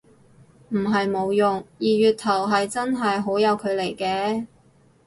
唔係冇用，二月頭係真係好有距離嘅